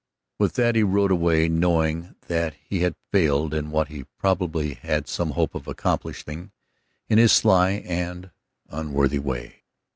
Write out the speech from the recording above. With that he rode away, knowing that he had failed in what he probably had some hope of accomplishing in his sly and unworthy way.